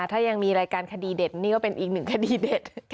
ถ้ายังมีรายการคดีเด็ดนี่ก็เป็นอีกหนึ่งคดีเด็ด